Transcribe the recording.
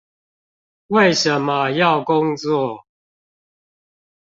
為什麼要工作？